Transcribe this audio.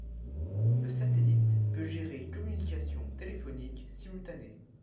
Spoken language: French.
Le satellite peut gérer communications téléphoniques simultanées.